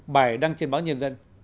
bài đăng trên báo nhân dân